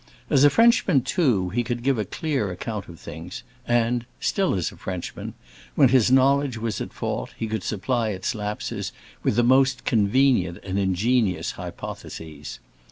As a Frenchman, too, he could give a clear account of things, and—still as a Frenchman—when his knowledge was at fault he could supply its lapses with the most convenient and ingenious hypotheses.